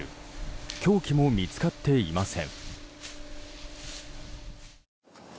凶器も見つかっていません。